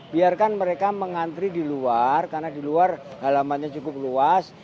biarkan mereka mengantri di luar karena di luar halamannya cukup luas